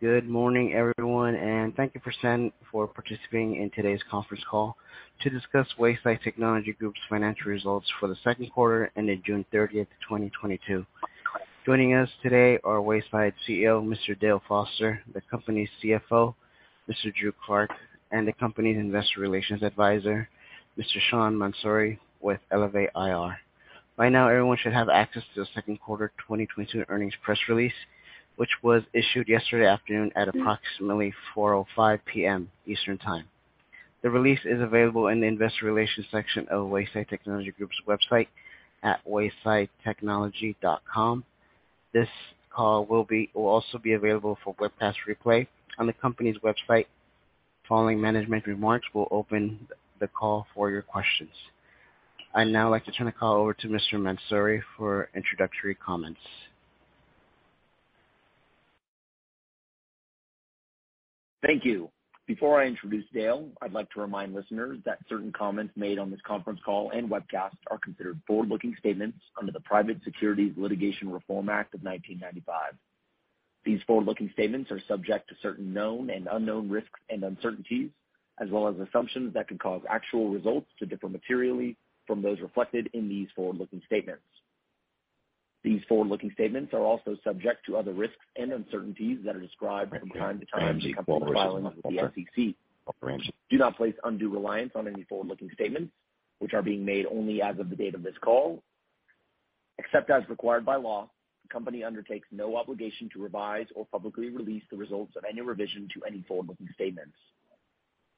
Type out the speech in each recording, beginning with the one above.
Good morning, everyone, and thank you for participating in today's conference call to discuss Wayside Technology Group's financial results for the Q2 ended June 30th, 2022. Joining us today are Wayside CEO, Mr. Dale Foster, the company's CFO, Mr. Andrew Clark, and the company's investor relations advisor, Mr. Sean Mansouri with Elevate IR. Right now, everyone should have access to the Q2 2022 earnings press release, which was issued yesterday afternoon at approximately 4:05 P.M. Eastern Time. The release is available in the investor relations section of Wayside Technology Group's website at waysidetechnology.com. This call will also be available for webcast replay on the company's website. Following management remarks, we'll open the call for your questions. I'd now like to turn the call over to Mr. Mansouri for introductory comments. Thank you. Before I introduce Dale, I'd like to remind listeners that certain comments made on this conference call and webcast are considered forward-looking statements under the Private Securities Litigation Reform Act of 1995. These forward-looking statements are subject to certain known and unknown risks and uncertainties, as well as assumptions that could cause actual results to differ materially from those reflected in these forward-looking statements. These forward-looking statements are also subject to other risks and uncertainties that are described from time to time in the company's filings with the SEC. Do not place undue reliance on any forward-looking statements, which are being made only as of the date of this call. Except as required by law, the company undertakes no obligation to revise or publicly release the results of any revision to any forward-looking statements.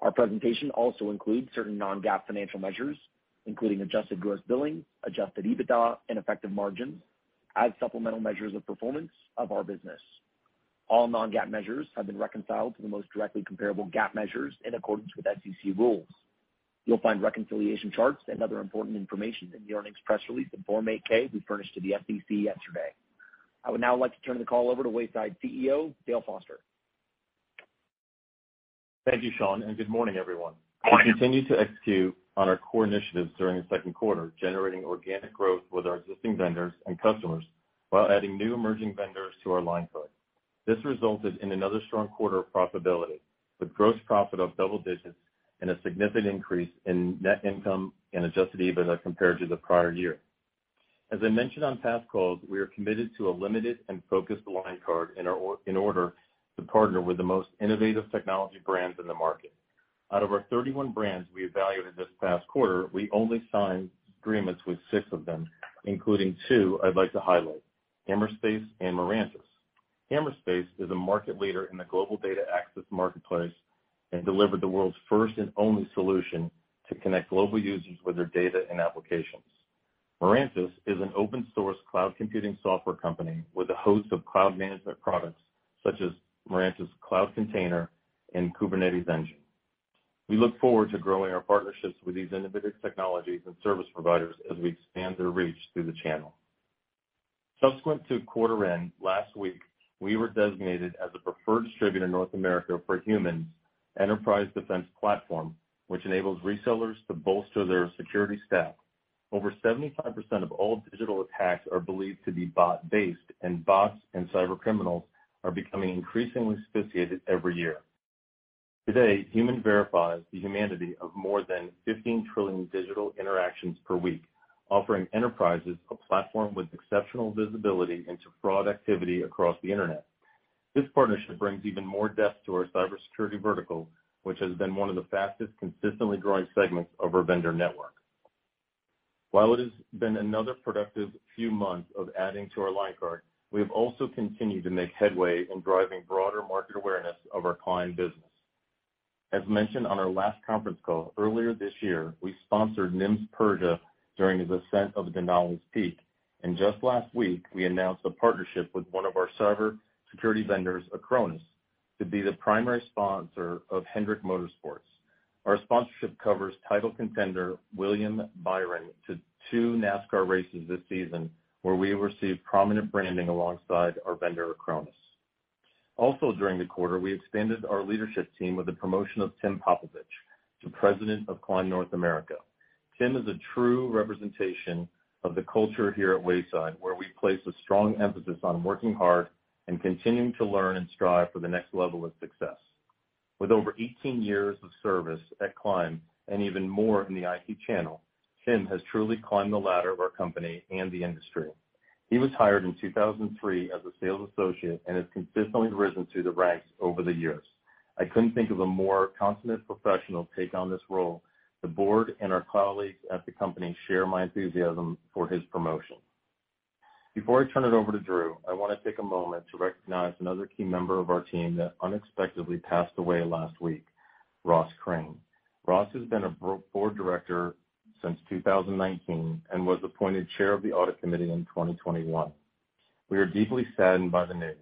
Our presentation also includes certain non-GAAP financial measures, including adjusted gross billings, adjusted EBITDA, and effective margins as supplemental measures of performance of our business. All non-GAAP measures have been reconciled to the most directly comparable GAAP measures in accordance with SEC rules. You'll find reconciliation charts and other important information in the earnings press release and Form 8-K we furnished to the SEC yesterday. I would now like to turn the call over to Wayside CEO, Dale Foster. Thank you, Sean, and good morning, everyone. We continued to execute on our core initiatives during the Q2, generating organic growth with our existing vendors and customers while adding new emerging vendors to our line card. This resulted in another strong quarter of profitability, with gross profit of double digits and a significant increase in net income and adjusted EBITDA compared to the prior year. As I mentioned on past calls, we are committed to a limited and focused line card in order to partner with the most innovative technology brands in the market. Out of our 31 brands we evaluated this past quarter, we only signed agreements with 6 of them, including two I'd like to highlight, Hammerspace and Mirantis. Hammerspace is a market leader in the global data access marketplace and delivered the world's first and only solution to connect global users with their data and applications. Mirantis is an open source cloud computing software company with a host of cloud management products such as Mirantis Container Cloud and Mirantis Kubernetes Engine. We look forward to growing our partnerships with these innovative technologies and service providers as we expand their reach through the channel. Subsequent to quarter end, last week, we were designated as a preferred distributor in North America for HUMAN Defense Platform, which enables resellers to bolster their security staff. Over 75% of all digital attacks are believed to be bot-based, and bots and cybercriminals are becoming increasingly sophisticated every year. Today, HUMAN verifies the humanity of more than 15 trillion digital interactions per week, offering enterprises a platform with exceptional visibility into fraud activity across the Internet. This partnership brings even more depth to our cybersecurity vertical, which has been one of the fastest consistently growing segments of our vendor network. While it has been another productive few months of adding to our line card, we have also continued to make headway in driving broader market awareness of our Climb business. As mentioned on our last conference call, earlier this year, we sponsored Nirmal Purja during his ascent of Denali's peak. Just last week, we announced a partnership with one of our cyber security vendors, Acronis, to be the primary sponsor of Hendrick Motorsports. Our sponsorship covers title contender William Byron to two NASCAR races this season, where we receive prominent branding alongside our vendor, Acronis. Also, during the quarter, we expanded our leadership team with the promotion of Tim Popovich to President of Climb North America. Tim is a true representation of the culture here at Wayside, where we place a strong emphasis on working hard and continuing to learn and strive for the next level of success. With over 18 years of service at Climb and even more in the IT channel, Tim has truly climbed the ladder of our company and the industry. He was hired in 2003 as a sales associate and has consistently risen through the ranks over the years. I couldn't think of a more consummate professional to take on this role. The board and our colleagues at the company share my enthusiasm for his promotion. Before I turn it over to Drew, I wanna take a moment to recognize another key member of our team that unexpectedly passed away last week, Ross Crane. Ross has been a board director since 2019 and was appointed chair of the audit committee in 2021. We are deeply saddened by the news.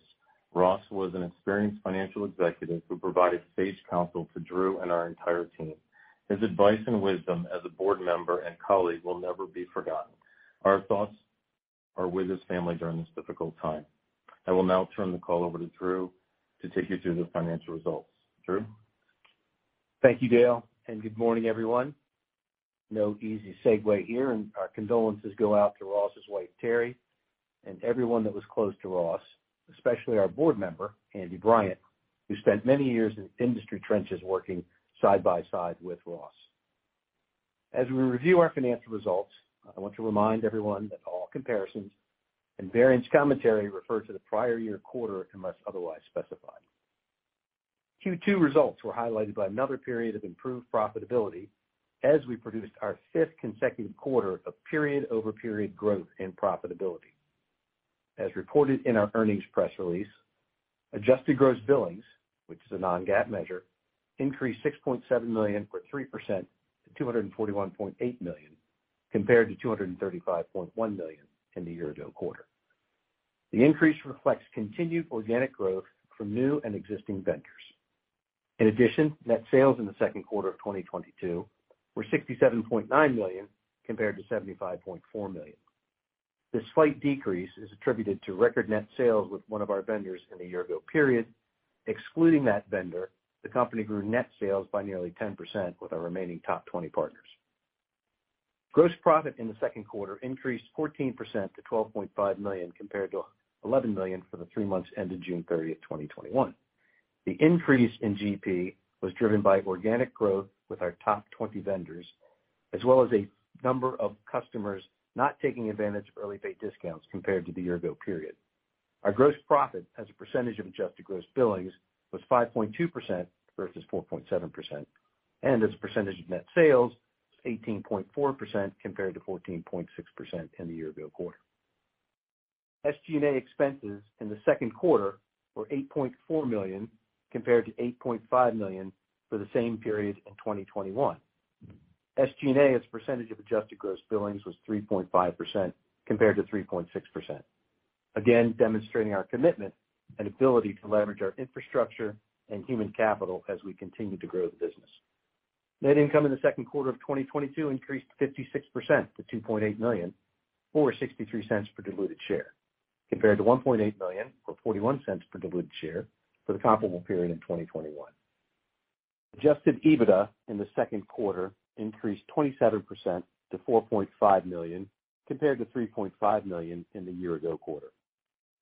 Ross was an experienced financial executive who provided sage counsel to Drew and our entire team. His advice and wisdom as a board member and colleague will never be forgotten. Our thoughts are with his family during this difficult time. I will now turn the call over to Drew to take you through the financial results. Drew? Thank you, Dale, and good morning, everyone. No easy segue here, and our condolences go out to Ross's wife, Terry, and everyone that was close to Ross, especially our board member, Andy Bryant, who spent many years in industry trenches working side by side with Ross. As we review our financial results, I want to remind everyone that all comparisons and variance commentary refer to the prior year quarter unless otherwise specified. Q2 results were highlighted by another period of improved profitability as we produced our fifth consecutive quarter of period-over-period growth and profitability. As reported in our earnings press release, adjusted gross billings, which is a non-GAAP measure, increased $6.7 million, or 3% to $241.8 million, compared to $235.1 million in the year-ago quarter. The increase reflects continued organic growth from new and existing vendors. In addition, net sales in the Q2 of 2022 were $67.9 million compared to $75.4 million. This slight decrease is attributed to record net sales with one of our vendors in the year ago period. Excluding that vendor, the company grew net sales by nearly 10% with our remaining top 20 partners. Gross profit in the Q2 increased 14% to $12.5 million compared to $11 million for the three months ended June 30, 2021. The increase in GP was driven by organic growth with our top 20 vendors, as well as a number of customers not taking advantage of early pay discounts compared to the year ago period. Our gross profit as a percentage of adjusted gross billings was 5.2% versus 4.7%, and as a percentage of net sales, was 18.4% compared to 14.6% in the year ago quarter. SG&A expenses in the Q2 were $8.4 million compared to $8.5 million for the same period in 2021. SG&A as a percentage of adjusted gross billings was 3.5% compared to 3.6%, again demonstrating our commitment and ability to leverage our infrastructure and human capital as we continue to grow the business. Net income in the Q2 of 2022 increased 56% to $2.8 million or $0.63 per diluted share, compared to $1.8 million or $0.41 per diluted share for the comparable period in 2021. Adjusted EBITDA in the Q2 increased 27% to $4.5 million compared to $3.5 million in the year ago quarter.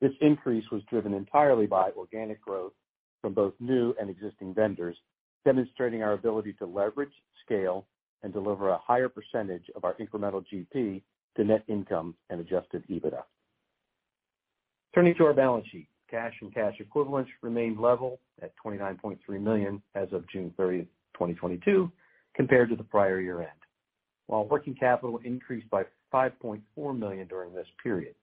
This increase was driven entirely by organic growth from both new and existing vendors, demonstrating our ability to leverage, scale, and deliver a higher percentage of our incremental GP to net income and adjusted EBITDA. Turning to our balance sheet. Cash and cash equivalents remained level at $29.3 million as of June 30th, 2022 compared to the prior year end, while working capital increased by $5.4 million during this period.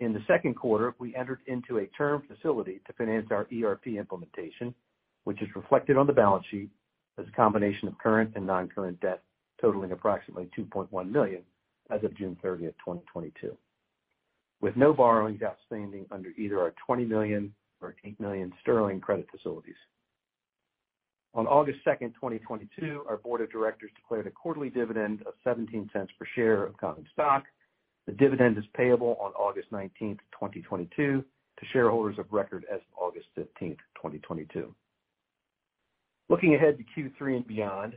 In the Q2, we entered into a term facility to finance our ERP implementation, which is reflected on the balance sheet as a combination of current and non-current debt totaling approximately $2.1 million as of June 30th, 2022, with no borrowings outstanding under either our $20 million or 8 million sterling credit facilities. On August 2nd, 2022, our board of directors declared a quarterly dividend of $0.17 per share of common stock. The dividend is payable on August 19th, 2022 to shareholders of record as of August 15th, 2022. Looking ahead to Q3 and beyond,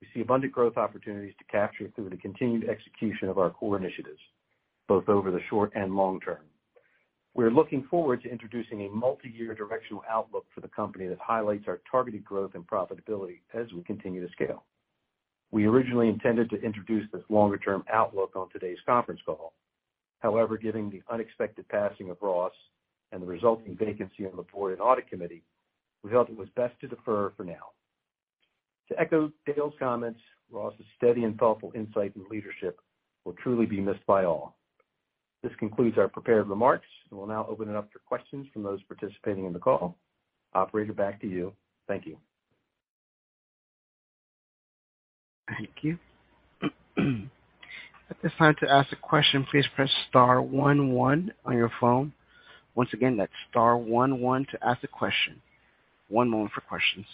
we see abundant growth opportunities to capture through the continued execution of our core initiatives, both over the short and long term. We're looking forward to introducing a multiyear directional outlook for the company that highlights our targeted growth and profitability as we continue to scale. We originally intended to introduce this longer-term outlook on today's conference call. However, given the unexpected passing of Ross and the resulting vacancy on the board and audit committee, we felt it was best to defer for now. To echo Dale's comments, Ross's steady and thoughtful insight and leadership will truly be missed by all. This concludes our prepared remarks, and we'll now open it up for questions from those participating in the call. Operator, back to you. Thank you. Thank you. At this time to ask a question, please press star one one on your phone. Once again, that's star one one to ask a question. One moment for questions.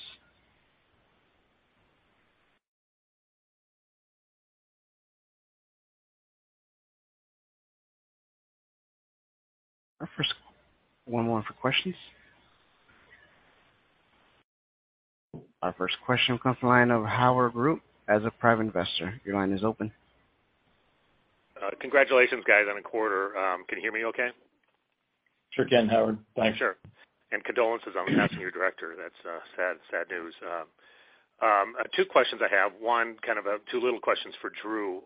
Our first question comes from the line of Howard Root, as a private investor. Your line is open. Congratulations guys on the quarter. Can you hear me okay? Sure can, Howard. Thanks. Sure. Condolences on the passing of your director. That's sad news. Two questions I have. One, kind of, two little questions for Drew.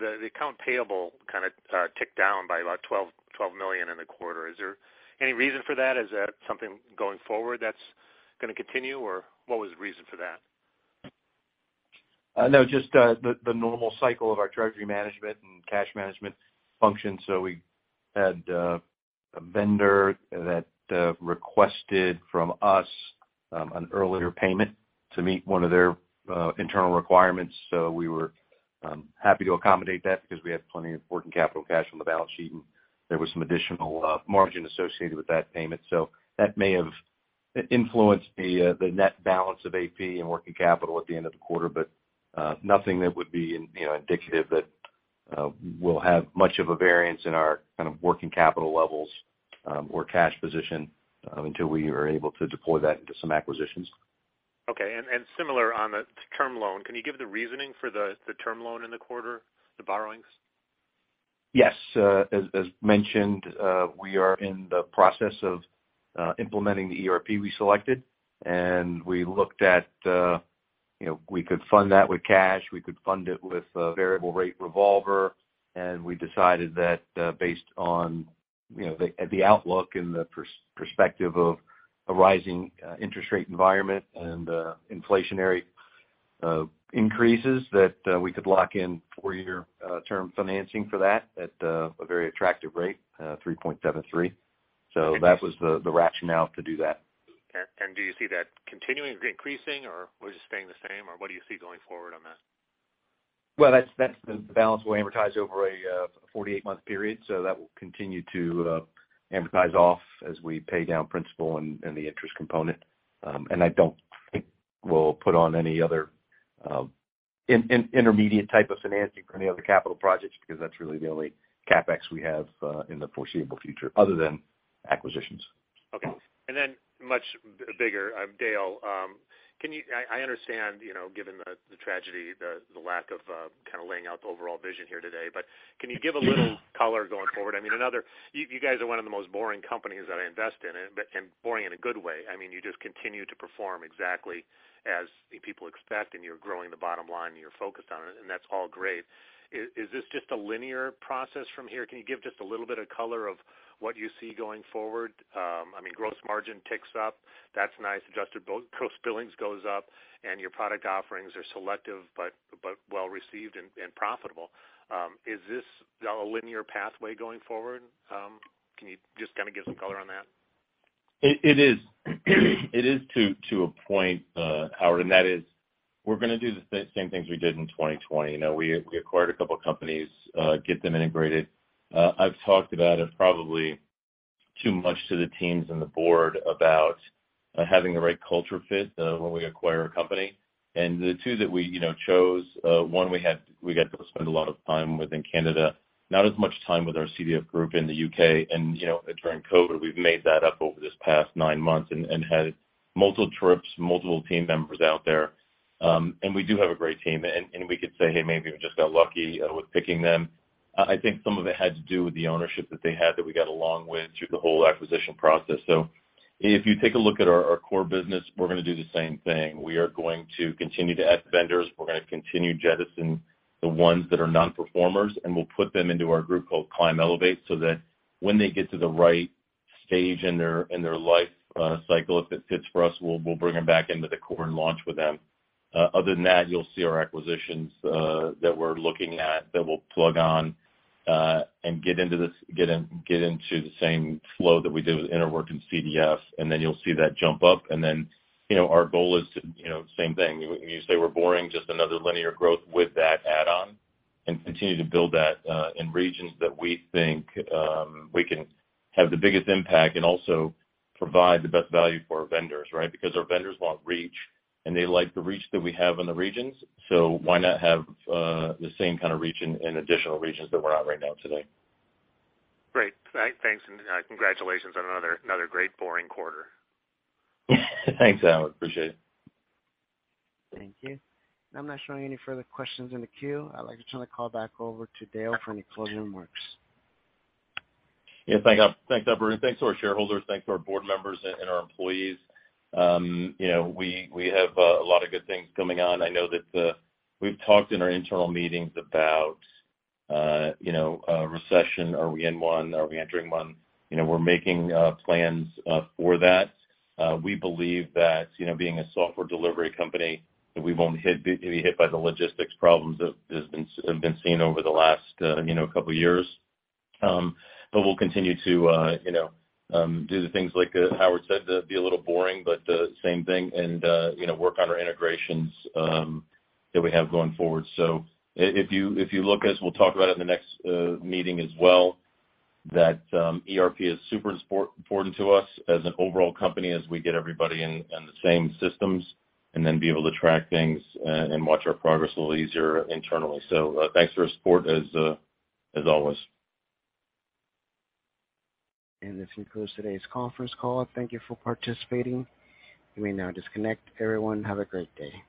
The accounts payable kind of ticked down by about $12 million in the quarter. Is there any reason for that? Is that something going forward that's gonna continue, or what was the reason for that? No, just the normal cycle of our treasury management and cash management function. We had a vendor that requested from us an earlier payment to meet one of their internal requirements. We were happy to accommodate that because we have plenty of working capital cash on the balance sheet, and there was some additional margin associated with that payment. That may have influenced the net balance of AP and working capital at the end of the quarter. Nothing that would be in, you know, indicative that We'll have much of a variance in our kind of working capital levels, or cash position, until we are able to deploy that into some acquisitions. Okay. Similar on the term loan, can you give the reasoning for the term loan in the quarter, the borrowings? Yes. As mentioned, we are in the process of implementing the ERP we selected, and we looked at, you know, we could fund that with cash, we could fund it with a variable rate revolver, and we decided that, based on, you know, the outlook and the perspective of a rising interest rate environment and inflationary increases that we could lock in four-year term financing for that at a very attractive rate, 3.73%. That was the rationale to do that. Okay. Do you see that continuing or increasing, or was it staying the same, or what do you see going forward on that? Well, that's the balance we'll amortize over a 48-month period, so that will continue to amortize off as we pay down principal and the interest component. I don't think we'll put on any other intermediate type of financing for any other capital projects because that's really the only CapEx we have in the foreseeable future other than acquisitions. Okay. Then much bigger, Dale, I understand, you know, given the tragedy, the lack of kinda laying out the overall vision here today, but can you give a little color going forward? I mean, you guys are one of the most boring companies that I invest in, but and boring in a good way. I mean, you just continue to perform exactly as people expect, and you're growing the bottom line, and you're focused on it, and that's all great. Is this just a linear process from here? Can you give just a little bit of color of what you see going forward? I mean, gross margin ticks up. That's nice. Adjusted gross billings goes up, and your product offerings are selective, but well received and profitable. Is this a linear pathway going forward? Can you just kinda give some color on that? It is. It is to a point, Howard, and that is we're gonna do the same things we did in 2020. You know, we acquired a couple companies, get them integrated. I've talked about it probably too much to the teams and the board about having the right culture fit when we acquire a company. The two that we chose, one we got to spend a lot of time with in Canada, not as much time with our CDF Group in the U.K. During COVID, we've made that up over this past nine months and had multiple trips, multiple team members out there. We do have a great team. We could say, "Hey, maybe we just got lucky with picking them." I think some of it had to do with the ownership that they had that we got along with through the whole acquisition process. If you take a look at our core business, we're gonna do the same thing. We are going to continue to add vendors. We're gonna continue jettison the ones that are non-performers, and we'll put them into our group called Climb Elevate so that when they get to the right stage in their life cycle, if it fits for us, we'll bring them back into the core and launch with them. Other than that, you'll see our acquisitions that we're looking at that we'll plug on and get into this. Get into the same flow that we did with interworks.cloud and CDF, and then you'll see that jump up. You know, our goal is to, you know, same thing. You say we're boring, just another linear growth with that add-on and continue to build that in regions that we think we can have the biggest impact and also provide the best value for our vendors, right? Because our vendors want reach, and they like the reach that we have in the regions, so why not have the same kind of reach in additional regions that we're at right now today. Great. Thanks, and congratulations on another great boring quarter. Thanks, Howard. Appreciate it. Thank you. I'm not showing any further questions in the queue. I'd like to turn the call back over to Dale for any closing remarks. Yeah. Thanks, everyone, and thanks to our shareholders, thanks to our board members and our employees. You know, we have a lot of good things coming on. I know that we've talked in our internal meetings about you know, a recession. Are we in one? Are we entering one? You know, we're making plans for that. We believe that, you know, being a software delivery company, that we won't be hit by the logistics problems that have been seen over the last you know, couple years. We'll continue to you know, do the things like Howard said. That'd be a little boring, but same thing and you know, work on our integrations that we have going forward. If you look, as we'll talk about in the next meeting as well, that ERP is super important to us as an overall company as we get everybody in the same systems and then be able to track things and watch our progress a little easier internally. Thanks for your support as always. This concludes today's conference call. Thank you for participating. You may now disconnect. Everyone, have a great day.